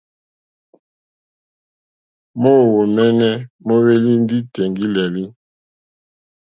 Móǒhwò ŋméní móhwélì ndí tèŋɡí!lélí.